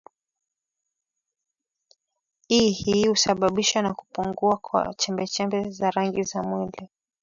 i hii husababishwa na kupungua kwa chembe chembe za rangi za mwili